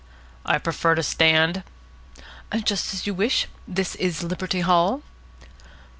"I prefer to stand." "Just as you wish. This is Liberty Hall."